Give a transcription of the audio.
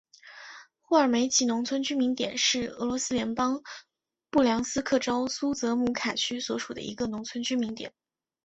霍尔梅奇农村居民点是俄罗斯联邦布良斯克州苏泽姆卡区所属的一个农村居民点。